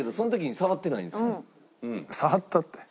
触ったって。